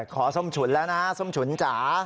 ส้มฉุนแล้วนะส้มฉุนจ๋า